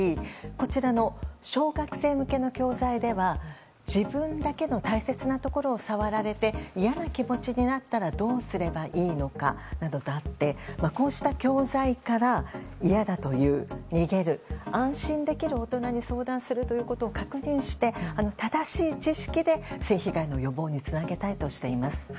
こちらの小学生向けの教材では自分だけの大切なところを触られて嫌な気持ちになったらどうすればいいかなどとあってこうした教材から、嫌だと言う逃げる、安心できる大人に相談するということを確認して、正しい知識で性被害の予防につなげたいとしています。